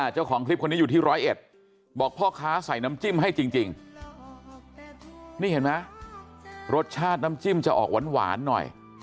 เจ้าของคลิปคนนี้อยู่ที่ร้อยเอ็ดบอกพ่อค้าใส่น้ำจิ้มให้จริงนี่เห็นไหมรสชาติน้ำจิ้มจะออกหวานหน่อย